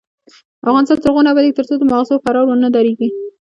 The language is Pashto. افغانستان تر هغو نه ابادیږي، ترڅو د ماغزو فرار ونه دریږي.